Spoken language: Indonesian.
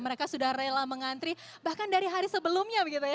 mereka sudah rela mengantri bahkan dari hari sebelumnya begitu ya